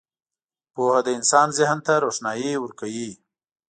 • پوهه د انسان ذهن ته روښنايي ورکوي.